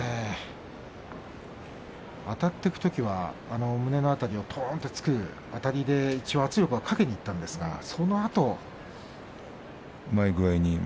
あたっていくときは胸の辺りをとーんと突くあたりで圧力をかけにいったんですがそのあとですね。